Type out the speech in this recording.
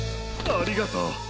ありがとう。